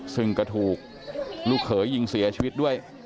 ซึ่งก็ถูกลูกเขยยิงเสียชีวิตด้วย